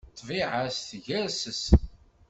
Ṭṭbiɛa s teggerses.